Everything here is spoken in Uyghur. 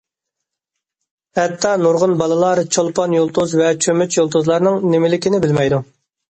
ھەتتا نۇرغۇن بالىلار چولپان يۇلتۇز ۋە چۆمۈچ يۇلتۇزلارنىڭ نېمىلىكىنى بىلمەيدۇ.